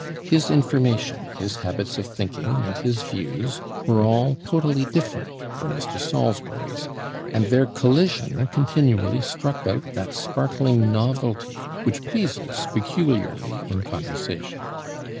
His information, his habits of thinking, and his views, were all totally different from Mr. Salisbury's; and their collision continually struck out that sparkling novelty which pleases peculiarly in conversation.